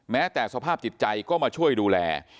แม้แต่สภาพจิตใจก็มาช่วยดูแล